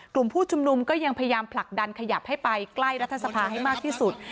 กลุ่มผู้ชุมนุมก็ยังพยายามผลักดันขยับให้ไปใกล้รัฐสภาให้มากที่สุด